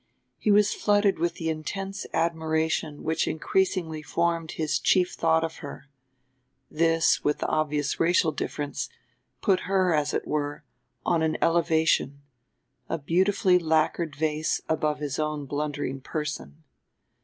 He was flooded with the intense admiration which increasingly formed his chief thought of her; this, with the obvious racial difference, put her, as it were, on an elevation a beautifully lacquered vase above his own blundering person.